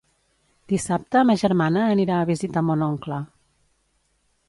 Dissabte ma germana anirà a visitar mon oncle.